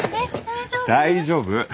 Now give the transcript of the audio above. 大丈夫。